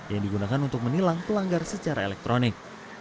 yang digunakan untuk menilang pelanggar secara elektronik